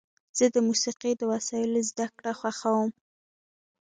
زه د موسیقۍ د وسایلو زدهکړه خوښوم.